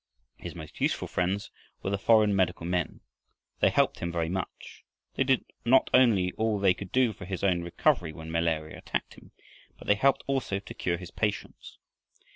His most useful friends were the foreign medical men. They helped him very much. They not only did all they could for his own recovery when malaria attacked him, but they helped also to cure his patients.